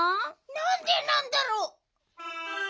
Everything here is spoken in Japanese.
なんでなんだろう。